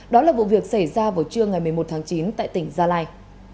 đó là vụ việc xảy ra vào trưa ngày một mươi một tháng chín tại tỉnh gia lai